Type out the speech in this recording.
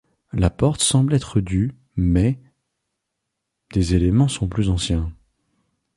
La porte semble être du mais des éléments sont plus anciens.